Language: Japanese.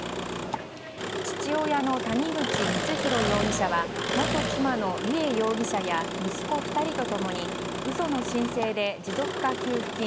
父親の谷口光弘容疑者は元妻の梨恵容疑者や息子２人と共に嘘の申請で持続化給付金